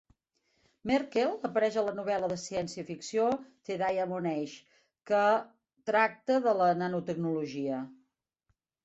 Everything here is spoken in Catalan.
Merkle apareix a la novel·la de ciència-ficció "The Diamond Age", que tracta de la nanotecnologia.